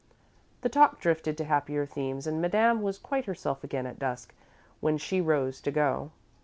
The talk drifted to happier themes and Madame was quite herself again at dusk, when she rose to go.